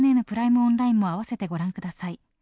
オンラインも合わせてご覧ください。